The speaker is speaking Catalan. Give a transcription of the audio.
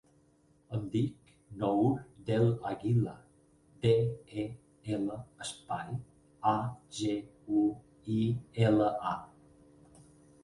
Em dic Nour Del Aguila: de, e, ela, espai, a, ge, u, i, ela, a.